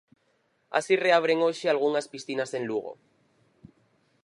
Así reabren hoxe algunhas piscinas en Lugo.